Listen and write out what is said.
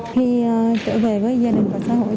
khi trở về với gia đình và xã hội